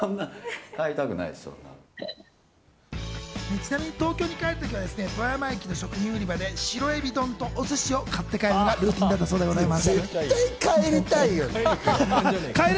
ちなみに東京に帰るときは富山駅の食品売り場で白エビ丼とお寿司を買って帰るんだそうです。